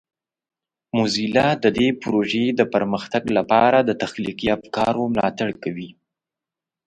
موزیلا د دې پروژې د پرمختګ لپاره د تخلیقي افکارو ملاتړ کوي.